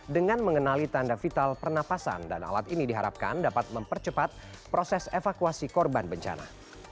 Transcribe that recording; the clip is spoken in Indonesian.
dengan mengenali tanda vital pernapasan dan alat ini diharapkan dapat mempercepat proses evakuasi korban bencana